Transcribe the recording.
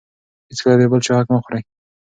هېڅکله د بل چا حق مه خورئ.